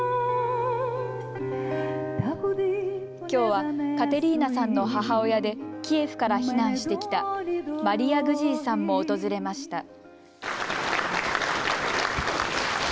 きょうはカテリーナさんの母親でキエフから避難してきたマリヤ・グジーさんも訪れました。